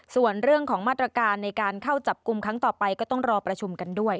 ส่วนเรื่องของมาตรการในการเข้าจับกลุ่มครั้งต่อไปก็ต้องรอประชุมกันด้วย